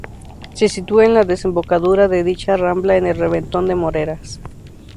Se sitúa en la desembocadura de dicha rambla en el reventón de Moreras.